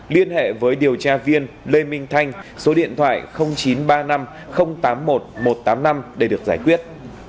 liên hệ với điều tra viên lê minh thanh số điện thoại chín trăm ba mươi năm tám mươi một một trăm tám mươi năm để được giải quyết